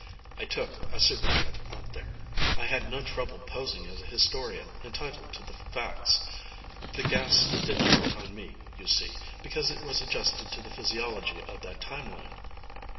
I took a superjet out there. I had no trouble posing as a historian entitled to the facts. The gas didn't work on me, you see, because it was adjusted to the physiology of that timeline.